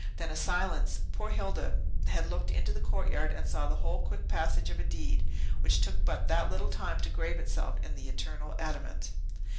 Then, a silence! Poor Hilda had looked into the court yard, and saw the whole quick passage of a deed, which took but that little time to grave itself in the eternal adamant.